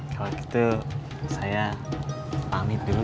kalau gitu saya pamit dulu